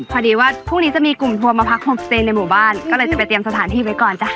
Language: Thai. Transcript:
พอดีว่าพรุ่งนี้จะมีกลุ่มทัวร์มาพักโฮมสเตย์ในหมู่บ้านก็เลยจะไปเตรียมสถานที่ไว้ก่อนจ้ะ